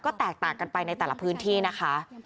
ก็แตกต่างกันไปในแต่ละพื้นที่นะคะ